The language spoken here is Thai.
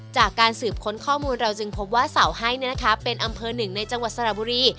จากการสืบค้นข้อมูลเราจึงพบว่าเสาให้เป็นอำเภอหนึ่งในจังหวัดสระบุรี